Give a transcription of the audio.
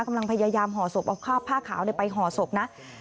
กำลังพยายามห่อศพเอาผ้าขาวไปห่อศพนะ